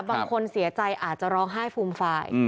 บางคนเสียใจอาจจะร้องไห้ฟูมฟาย